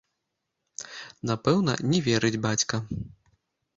Напэўна, не верыць бацька.